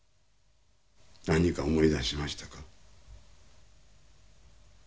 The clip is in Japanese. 何か思い出しましたか？